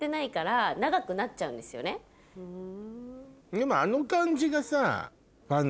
でもあの感じがさ。